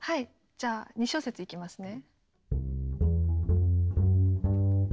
じゃあ２小節いきますね。